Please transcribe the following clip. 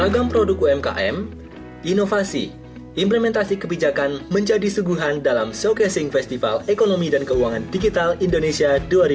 ragam produk umkm inovasi implementasi kebijakan menjadi suguhan dalam showcasing festival ekonomi dan keuangan digital indonesia dua ribu dua puluh